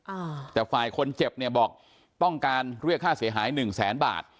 อ่าแต่ฝ่ายคนเจ็บเนี่ยบอกต้องการเรียกค่าเสียหายหนึ่งแสนบาท